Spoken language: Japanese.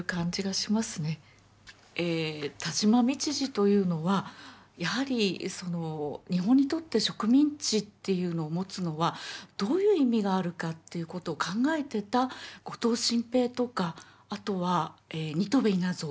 田島道治というのはやはり日本にとって植民地っていうのを持つのはどういう意味があるかということを考えてた後藤新平とかあとは新渡戸稲造